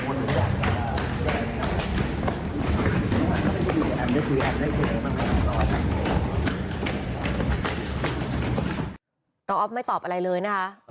รวมถึงเมื่อวานี้ที่บิ๊กโจ๊กพาไปคุยกับแอมท์ที่ท่านท่านสถานหญิงกลาง